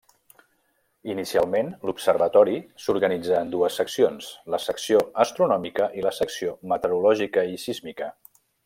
Inicialment l'observatori s'organitzà en dues seccions: la Secció Astronòmica i la Secció Meteorològica i Sísmica.